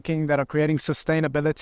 yang luar biasa yang membuat kemampuan